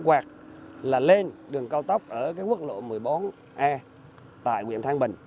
hoặc là lên đường cao tốc ở cái quốc lộ một mươi bốn e tại quyện thang bình